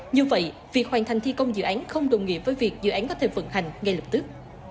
như vậy việc hoàn thành thi công dự án không đồng nghĩa với việc dự án có thể vận hành ngay lập tức